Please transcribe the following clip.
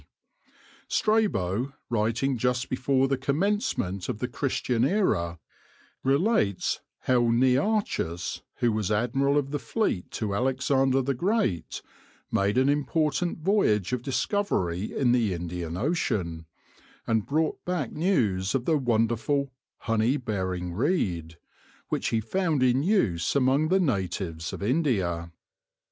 d. Strabo, writing just before the commencement of the Christian Era, relates how Nearchus, who was Admiral of the Fleet to Alexander the Great, made an important voyage of discovery in the Indian Ocean, and brought back news of the wonderful " honey bearing reed," which he found in use among the natives of India.